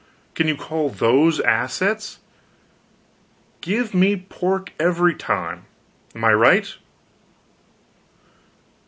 Can you call those assets? Give me pork, every time. Am I right?"